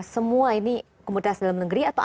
semua ini komunitas dalam negeri atau